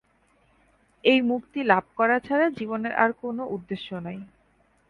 এই মুক্তি লাভ করা ছাড়া জীবনের আর কোন উদ্দেশ্য নাই।